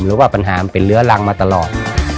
หรือว่าปัญหามันเป็นเลื้อรังมาตลอด